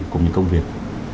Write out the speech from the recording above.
cũng như công việc